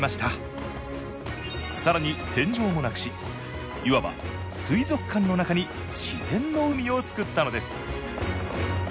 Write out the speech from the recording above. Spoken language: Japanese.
さらに天井もなくしいわば水族館の中に自然の海を造ったのです